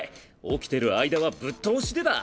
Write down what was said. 起きてる間はぶっ通しでだ。